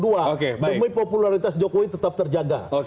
demi popularitas jokowi tetap terjaga